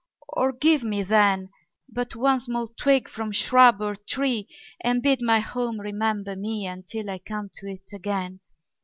'Or give me, then, But one small twig from shrub or tree; And bid my home remember me Until I come to it again.'